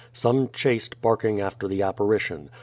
Some chased barking after the apparition.